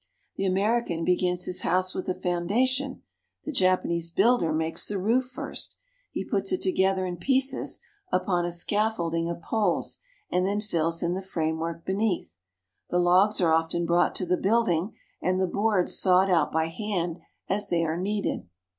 The American begins his house with the foundation. The Jap anese builder makes the roof first. He puts it together COMMERCIAL AND INDUSTRIAL JAPAN 91 in pieces upon a scaffolding of poles, and then fills in the framework beneath. The logs are often brought to the building, and the boards sawed out by hand as they are needed.